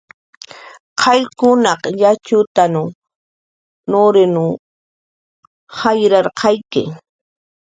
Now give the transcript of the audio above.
Qayllkunaq yatxut nurinw jayllarqayki